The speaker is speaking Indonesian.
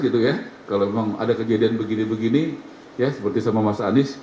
kalau memang ada kejadian begini begini ya seperti sama mas anies